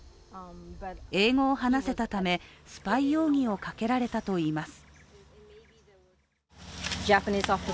英語を話せたため、スパイ容疑をかけられたといいます。